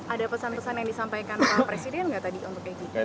ada pesan pesan yang disampaikan oleh presiden nggak tadi untuk egy